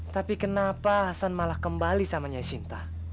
tapi kenapa hasan malah kembali sama nyai sinta